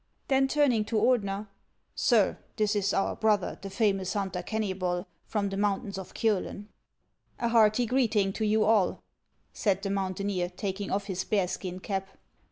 Then, turning to Ordener :" Sir, this is our brother, the famous hunter Kenuybol, from the mountains of Kib'len." " A hearty greeting to you all," said the mountaineer, taking off his bearskin cap.